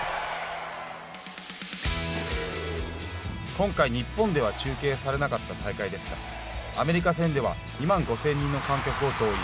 今回、日本では中継されなかった大会ですがアメリカ戦では２万５０００人の観客を動員。